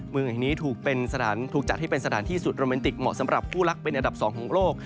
เมืองอันนี้ถูกจัดให้เป็นสถานที่สุดโรแมนติกเหมาะสำหรับผู้รักเป็นอัดับสองของโลก